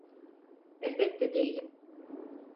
Elbette değilim.